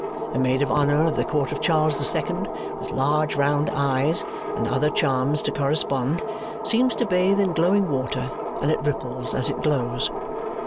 A maid of honour of the court of Charles the Second, with large round eyes (and other charms to correspond), seems to bathe in glowing water, and it ripples as it glows.